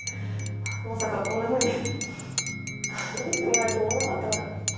まさかこんなふうに言ってもらえると思わなかったから。